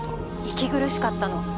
息苦しかったの。